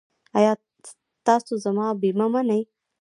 ایا تاسو زما بیمه منئ؟